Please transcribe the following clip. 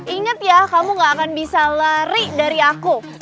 ingat ya kamu gak akan bisa lari dari aku